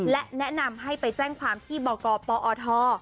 และแนะนำให้ไปแจ้งความที่บกปอท